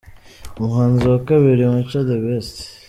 Umuhanzi wa kabiri i Mico The Best.